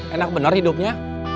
enak bener hidupnya